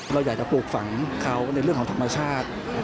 เราอยากจะปลูกฝังเขาในเรื่องของธรรมชาติ